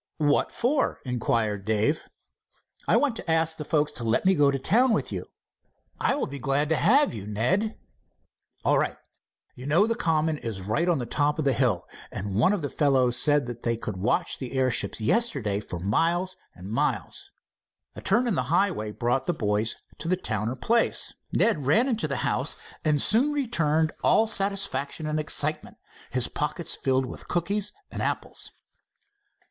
"What for?" inquired Dave. "I want to ask the folks to let me go to town with you." "I'll be glad to have you, Ned." "All right. You know the common is right on top of the hill, and one of the fellows said they could watch the airships yesterday for miles and miles." A turn in the highway brought the boys to the Towner place. Ned ran into the house and soon returned all satisfaction and excitement, his pockets filled with cookies and apples.